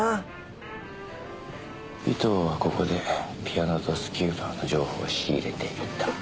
尾藤はここでピアノとスキューバの情報を仕入れていた。